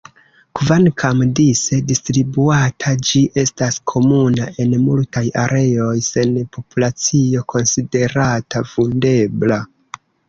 Kvankam dise distribuata, ĝi estas komuna en multaj areoj, sen populacio konsiderata vundebla.